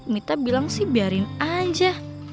mita bilang sih biarin aja